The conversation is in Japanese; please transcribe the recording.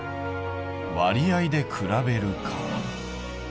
「割合で比べる」か。